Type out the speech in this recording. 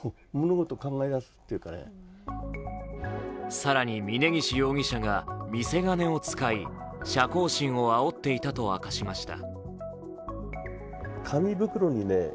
更に、峯岸容疑者が見せ金を使い射幸心をあおっていたと明かしました。